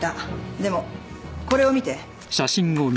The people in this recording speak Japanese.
でもこれを見て。